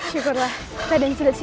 syukurlah raden sudah see you